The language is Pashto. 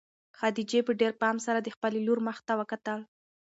خدیجې په ډېر پام سره د خپلې لور مخ ته وکتل.